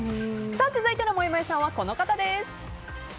続いてのもやもやさんはこの方です。